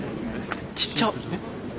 ちっちゃ！